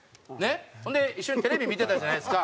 それで一緒にテレビ見てたじゃないっすか。